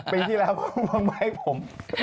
ไปที่แล้วคุณว่างมาให้ผม